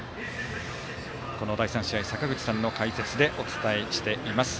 第３試合坂口さんの解説でお伝えしています。